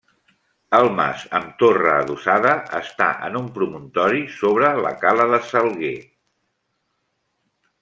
El mas, amb torre adossada, està en un promontori sobre la cala de s'Alguer.